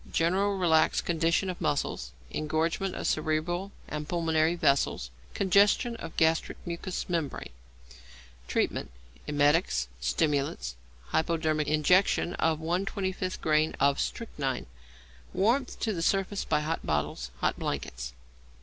General relaxed condition of muscles; engorgement of cerebral and pulmonary vessels. Congestion of gastric mucous membrane. Treatment. Emetics, stimulants, hypodermic injection of 1/25 grain of strychnine. Warmth to the surface by hot bottles, hot blankets.